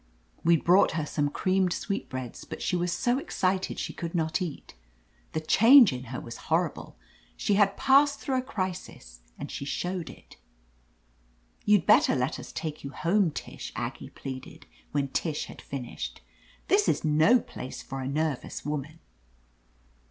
We'd brought her some creamed sweetbreads, but she was so excited she could not eat The change in her was horrible; she had passed through a crisis, and she showed it. "You'd better let us take you home, Tish," Aggie pleaded, when Tish had finished. "This is no place for a nervous woman."